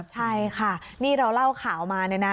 ใช่ค่ะนี่เราเล่าข่าวมานะ